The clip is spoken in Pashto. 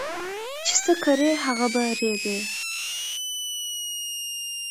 چې څه کرې هغه به ريبې